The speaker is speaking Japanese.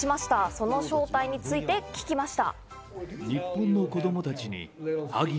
その正体について聞きました。